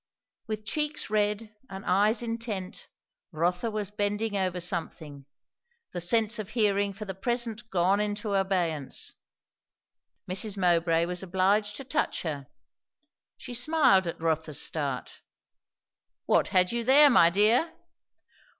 With cheeks red and eyes intent, Rotha was bending over something, the sense of hearing for the present gone into abeyance; Mrs. Mowbray was obliged to touch her. She smiled at Rotha's start. "What had you there, my dear?"